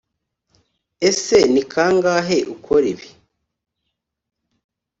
ese ni kangahe ukora ibi‽